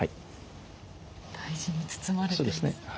大事に包まれていますね。